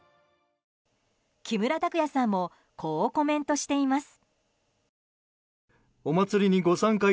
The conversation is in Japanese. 木村拓哉さんもこうコメントしています。